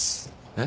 えっ？